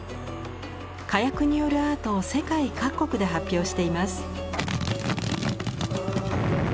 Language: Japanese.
火薬によるアートを世界各国で発表しています。